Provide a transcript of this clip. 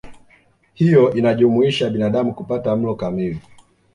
Hiyo inajumuisha binadamu kupata mlo kamili